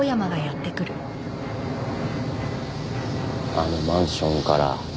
あのマンションから。